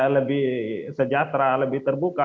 lebih sejahtera lebih terbuka